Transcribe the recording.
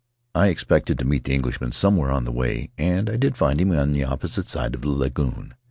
I expected to meet the Englishman somewhere on the way, and I did find him on the opposite side of the lagoon.